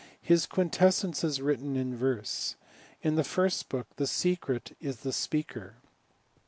His Quintessence is written ^^ verse. In the first book The Secret is the speaker.